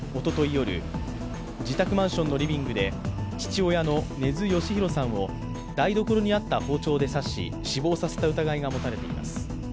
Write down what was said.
夜、自宅マンションのリビングで父親の根津嘉弘さんを台所にあった包丁で刺し死亡させた疑いが持たれています。